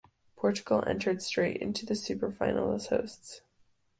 Portugal entered straight into the Superfinal as hosts.